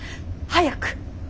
早く。